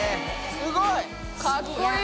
すごい。